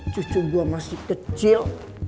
cucu gue masih kecil